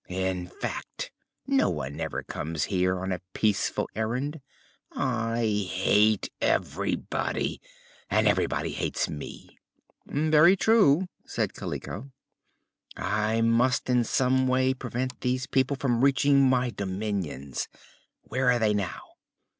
"In fact, no one ever comes here on a peaceful errand. I hate everybody, and everybody hates me!" "Very true," said Kaliko. "I must in some way prevent these people from reaching my dominions. Where are they now?"